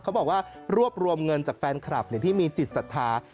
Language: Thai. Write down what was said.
เขาบอกว่ารวบรวมเงินจากแฟนคลับที่มีจิตศรัทธา